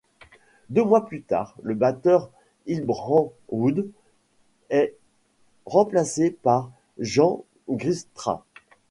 Deux mois plus tard, le batteur Hilbrand Woude est remplacé par Jan Grijpstra.